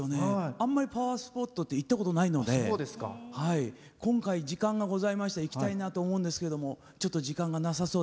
あんまりパワースポットって行ったことがないので今回、時間がございましたら行きたいなと思うんですけどもちょっと時間がなさそうで。